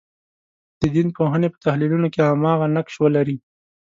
د دین پوهنې په تحلیلونو کې هماغه نقش ولري.